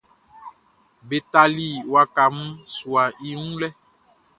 Be tali waka mun suaʼn i wun lɛ.